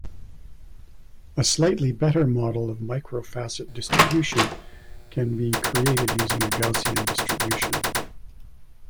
A slightly better model of microfacet distribution can be created using a Gaussian distribution.